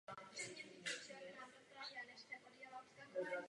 V každém případě bez spotřebitelů a jejich důvěry neexistuje obchod.